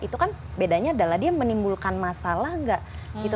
itu kan bedanya adalah dia menimbulkan masalah nggak gitu